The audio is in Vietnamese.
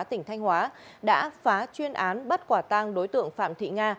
tỉnh thanh hóa đã phá chuyên án bắt quả tang đối tượng phạm thị nga